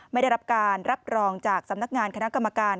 ไม่ได้รับการรับรองจากสำนักงานคณะกรรมการ